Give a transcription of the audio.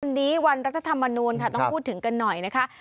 วันนี้วันรัฐธรรมนูลค่ะต้องพูดถึงกันหน่อยนะคะ